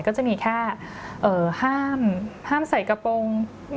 ก็จะมีแค่ห้ามใส่กระโปรง